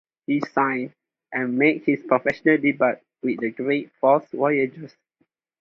He signed and made his professional debut with the Great Falls Voyagers.